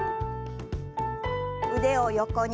腕を横に。